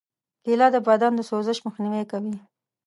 کېله د بدن د سوزش مخنیوی کوي.